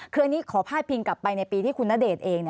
คืออันนี้ขอพาดพิงกลับไปในปีที่คุณณเดชน์เอง